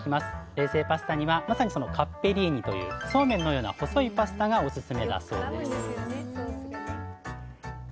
冷製パスタにはまさにそのカッペリーニというそうめんのような細いパスタがオススメだそうです